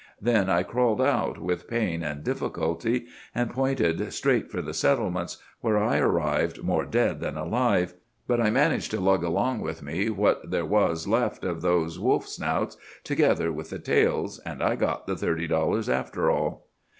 Then I crawled out, with pain and difficulty, and pointed straight for the settlements, where I arrived more dead than alive. But I managed to lug along with me what there was left of those wolf snouts, together with the tails; and I got the thirty dollars after all.